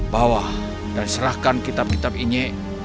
bawah dan serahkan kitab kitab ini